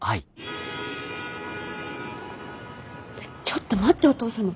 ちょっと待ってお父様。